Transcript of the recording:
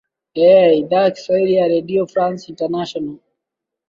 ee idhaa ya kiswahili ya redio france international